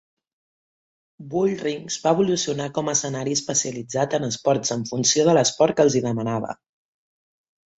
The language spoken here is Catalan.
Bullrings va evolucionar com a escenari especialitzat en esports en funció de l'esport que els hi demanava.